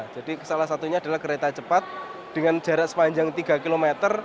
jadi salah satunya adalah kereta cepat dengan jarak sepanjang tiga km